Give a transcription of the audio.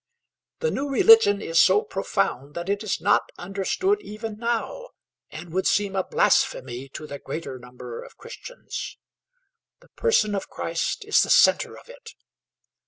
The new religion is so profound that it is not understood even now, and would seem a blasphemy to the greater number of Christians. The person of Christ is the centre of it.